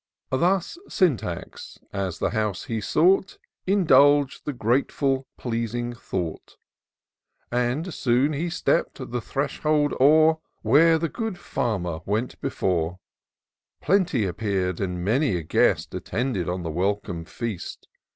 Thus Syntax, as the house he sought, Indulg'd the grateful, pleasing thought ; And soon he stepp'd the threshold o'er. Where the good Farmer went before : Plenty appear'd, and many a guest Attended on the welcome feast.